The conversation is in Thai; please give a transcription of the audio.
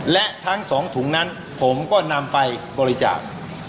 และทั้ง๒ถุงนั้นผมก็นำไปบริจาค